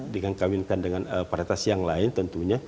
dengan kawinkan dengan varietas yang lain tentunya